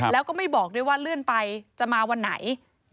แล้วก็ไม่บอกด้วยว่าเลื่อนไปจะมาวันไหน